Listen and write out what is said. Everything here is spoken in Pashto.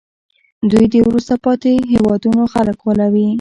دوی د وروسته پاتې هېوادونو خلک غولوي